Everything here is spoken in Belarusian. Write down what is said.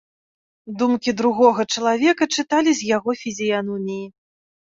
Думкі другога чалавека чыталі з яго фізіяноміі.